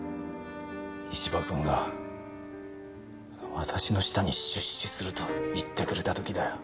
石場君が私の舌に出資すると言ってくれた時だよ。